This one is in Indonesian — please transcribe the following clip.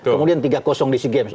kemudian tiga di sea games